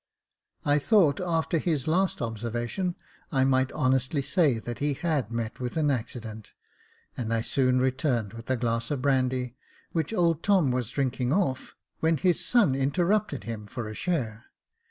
" I thought, after his last observation, I might honestly say that he had met with an accident, and I soon returned with a glass of brandy, which old Tom was drinking off, when his son interruped him for a share.